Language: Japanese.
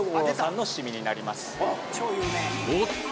おっと！